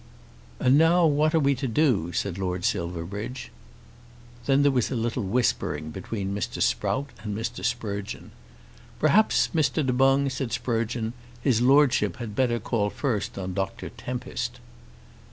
"And now what are we to do?" said Lord Silverbridge. Then there was a little whispering between Mr. Sprout and Mr. Sprugeon. "Perhaps, Mr. Du Boung," said Sprugeon, "his Lordship had better call first on Dr. Tempest."